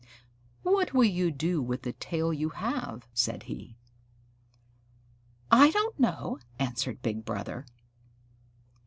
"What will you do with the tail you have?" said he. "I don't know," answered Big Brother.